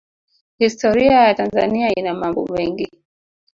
Historia ya Tanzania ina mambo mengi